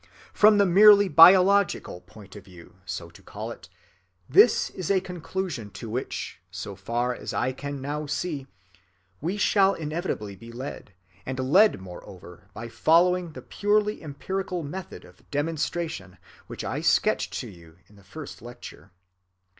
From the merely biological point of view, so to call it, this is a conclusion to which, so far as I can now see, we shall inevitably be led, and led moreover by following the purely empirical method of demonstration which I sketched to you in the first lecture.